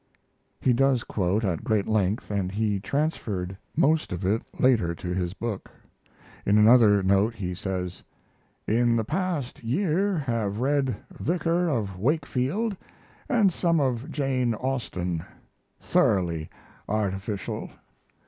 He does quote at great length and he transferred most of it later to his book. In another note he says: In the past year have read Vicar of Wakefield and some of Jane Austen thoroughly artificial.